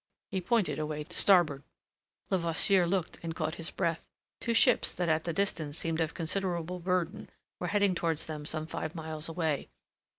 He pointed away to starboard. Levasseur looked, and caught his breath. Two ships that at the distance seemed of considerable burden were heading towards them some five miles away.